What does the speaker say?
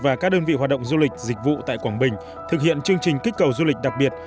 và các đơn vị hoạt động du lịch dịch vụ tại quảng bình thực hiện chương trình kích cầu du lịch đặc biệt